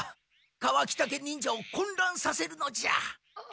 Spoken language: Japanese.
カワキタケ忍者をこんらんさせるのじゃ。